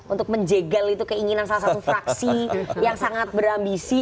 untuk menjegal itu keinginan salah satu fraksi yang sangat berambisi